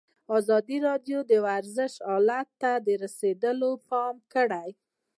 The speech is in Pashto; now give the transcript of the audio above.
ازادي راډیو د ورزش حالت ته رسېدلي پام کړی.